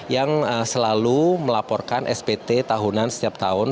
yang selalu melaporkan spt tahunan setiap tahun